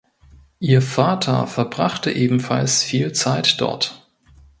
Ihr Vater verbrachte ebenfalls viel Zeit dort.